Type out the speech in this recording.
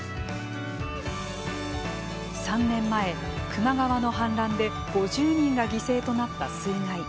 ３年前、球磨川の氾濫で５０人が犠牲となった水害。